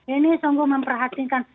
ini sungguh memperhatikan